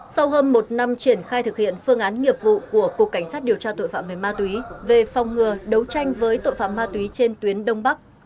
sau hơn một năm triển khai thực hiện phương án nghiệp vụ của cục cảnh sát điều tra tội phạm về ma túy về phòng ngừa đấu tranh với tội phạm ma túy trên tuyến đông bắc